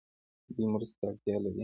دوی مرستو ته اړتیا لري.